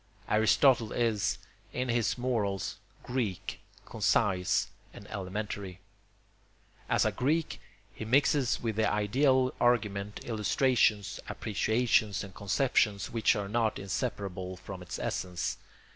Aristotle is, in his morals, Greek, concise, and elementary. As a Greek, he mixes with the ideal argument illustrations, appreciations, and conceptions which are not inseparable from its essence.